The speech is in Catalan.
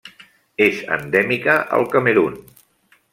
És endèmica al Camerun.